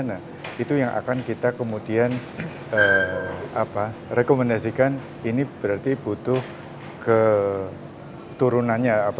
nah itu yang akan kita kemudian rekomendasikan ini berarti butuh keturunannya